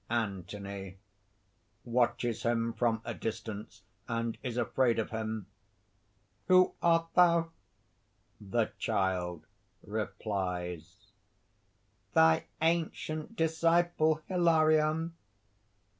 _) ANTHONY (watches him from a distance, and is afraid of him.) "Who art thou?" THE CHILD (replies). "Thy ancient disciple, Hilarion."